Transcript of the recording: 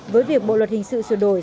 với việc bộ luật hình sự sửa đổi